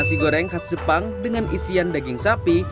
nasi goreng khas jepang dengan isian daging sapi